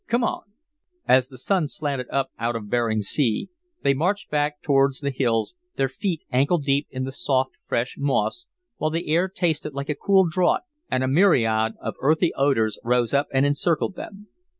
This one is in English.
Come on!" As the sun slanted up out of Behring Sea, they marched back towards the hills, their feet ankle deep in the soft fresh moss, while the air tasted like a cool draught and a myriad of earthy odors rose up and encircled them.